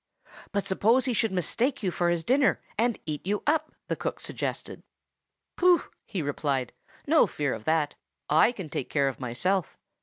"But suppose he should mistake you for his dinner, and eat you up?" the cook suggested. "Pooh!" he replied. "No fear of that; I can take care of myself.